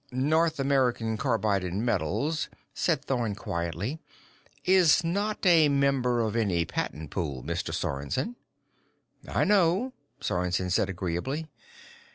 "North American Carbide & Metals," said Thorn quietly, "is not a member of any patent pool, Mr. Sorensen." "I know," Sorensen said agreeably.